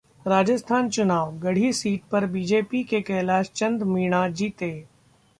राजस्थान चुनाव: गढ़ी सीट पर बीजेपी के कैलाश चंद मीणा जीते